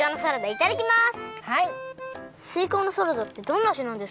いただきます。